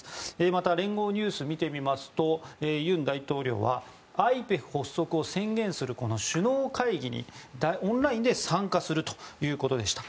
また聯合ニュースを見てみますと尹大統領はＩＰＥＦ発足を宣言する首脳会議にオンラインで参加するということでした。